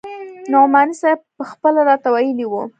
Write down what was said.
نعماني صاحب پخپله راته ويلي وو.